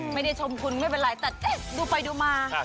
ไม่ได้ชมคุณไม่เป็นไรแต่ดูไปดูมา